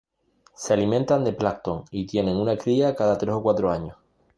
Se alimentan de plancton y tienen una cría cada tres o cuatro años.